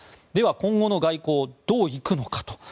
では今後の外交、どういくのか。